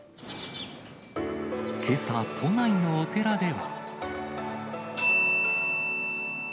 けさ、都内のお寺では。